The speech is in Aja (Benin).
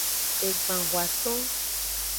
Egban hoaton.